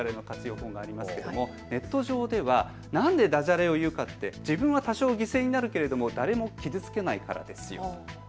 法がありますがネット上ではなんでダジャレを言うかって自分は多少、犠牲になるけど誰も傷つけないからですよ。